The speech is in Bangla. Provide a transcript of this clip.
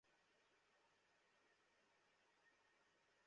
পরে মনির তাঁর হাতে থাকা প্লায়ার্স দিয়ে ওবায়দুলের মাথায় আঘাত করেন।